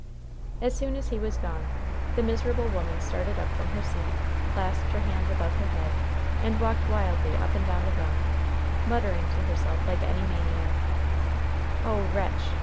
As soon as he was gone the miserable woman started up from her seat, clasped her hands above her head, and walked wildly up and down the room, muttering to herself like any maniac: "Oh, wretch!